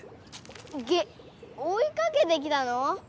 げっおいかけてきたの？